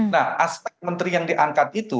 nah aspek menteri yang diangkat itu